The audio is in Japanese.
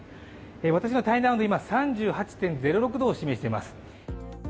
私の体内温度、今、３８．０６度を示しています。